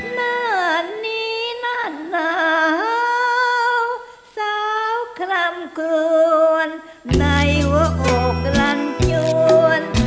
หน้านี้หน้าหนาวสาวคลำกวนในหัวอกลันยวน